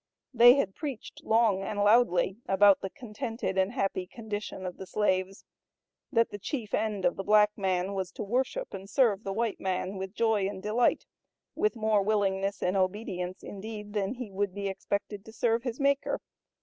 They had preached long and loudly about the contented and happy condition of the slaves, that the chief end of the black man was to worship and serve the white man, with joy and delight, with more willingness and obedience indeed than he would be expected to serve his Maker.